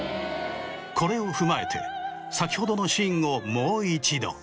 これを踏まえて先ほどのシーンをもう一度。